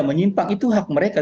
menyimpang itu hak mereka